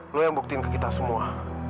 lo yang buktiin ke kita semua